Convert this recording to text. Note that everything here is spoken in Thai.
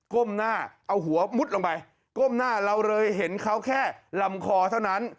ก้มหน้าเอาหัวมุดลงไปก้มหน้าเราเลยเห็นเขาแค่ลำคอเท่านั้น